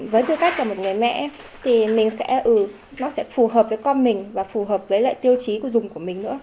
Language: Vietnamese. với tư cách là một người mẹ thì mình sẽ ứ nó sẽ phù hợp với con mình và phù hợp với lại tiêu chí của dùng của mình nữa